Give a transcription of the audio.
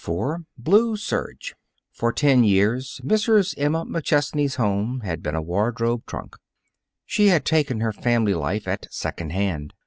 IV BLUE SERGE For ten years, Mrs. Emma McChesney's home had been a wardrobe trunk. She had taken her family life at second hand.